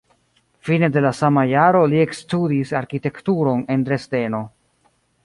Fine de la sama jaro li ekstudis arkitekturon en Dresdeno.